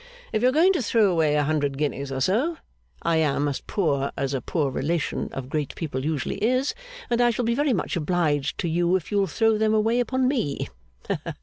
If you are going to throw away a hundred guineas or so, I am as poor as a poor relation of great people usually is, and I shall be very much obliged to you, if you'll throw them away upon me.